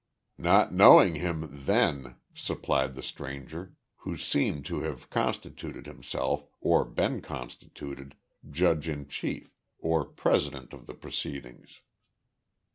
"Not knowing him then," supplied the stranger, who seemed to have constituted himself or been constituted judge in chief, or president of the proceedings.